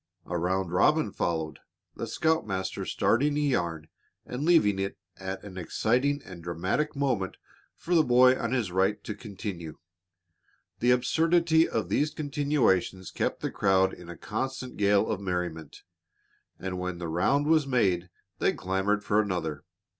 A "round robin" followed, the scoutmaster starting a yarn and leaving it at an exciting and dramatic moment for the boy on his right to continue. The absurdity of these continuations kept the crowd in a constant gale of merriment, and when the round was made they clamored for another.